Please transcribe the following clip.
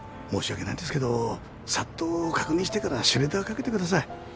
申し訳ないんですけどさっと確認してからシュレッダーかけてください。